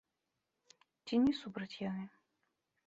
Ці не супраць яны?